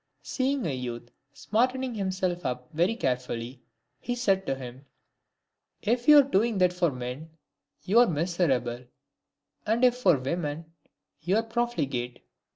Seeing a youth smartening himself up very care fully, he said to him, " If you are doing that for men, you are miserable ; and if for women, you are profligate."